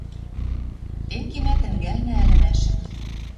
Тенге мӓ тӹнгӓлнӓ ӹлӹмӓшӹм